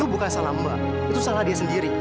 bukan salah mbak itu salah dia sendiri